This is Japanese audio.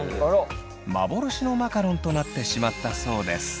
幻のマカロンとなってしまったそうです。